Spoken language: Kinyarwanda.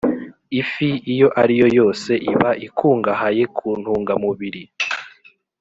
ifi iyo ari yo yose iba ikungahaye ku ntungamubiri,